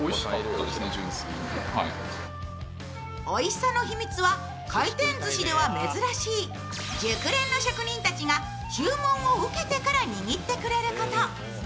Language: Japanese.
おいしさの秘密は回転寿司では珍しい熟練の職人たちが注文を受けてから握ってくれること。